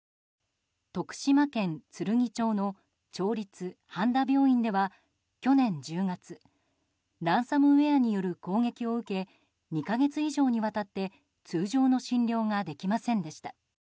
徳島県つるぎ町の町立半田病院では去年１０月ランサムウェアによる攻撃を受け２か月以上にわたって通常の診療ができませんでした。